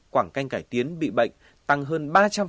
quảng canh cải tiến bị bệnh tăng hơn ba trăm linh